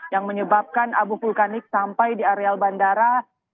yang menyebabkan abu vulkanik sampai di areal bandara